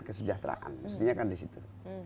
kesejahteraan mestinya kan di situ